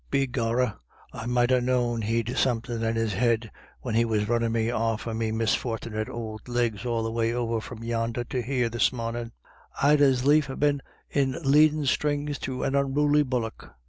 Begor rah, I might ha* known he'd somethin' in his head when he was runnin' me off of me misfortnit ould legs all the way over from yonder to here this mornin'. I'd as lief ha' been in leadin' strings to an unruly bullock.